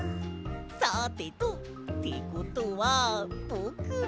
さてとってことはぼくは。